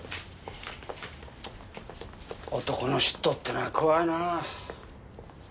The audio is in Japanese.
男の嫉妬ってのは怖いなあ。